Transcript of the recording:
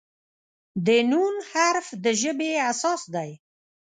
د "ن" حرف د ژبې اساس دی.